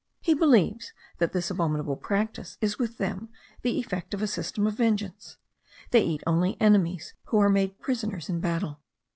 He believes that this abominable practice is with them the effect of a system of vengeance; they eat only enemies who are made prisoners in battle.